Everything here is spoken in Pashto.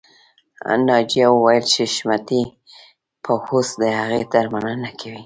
ناجیه وویل چې حشمتي به اوس د هغې درملنه کوي